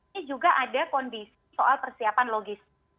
ini juga ada kondisi soal persiapan logistik